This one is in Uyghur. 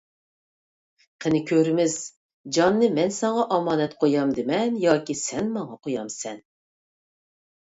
قېنى كۆرىمىز، جاننى مەن ساڭا ئامانەت قويامدىمەن ياكى سەن ماڭا قويامسەن!